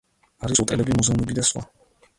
არის ოტელები, მუზეუმები და სხვა.